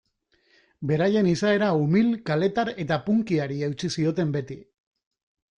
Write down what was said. Beraien izaera umil, kaletar eta punkyari eutsi zioten beti.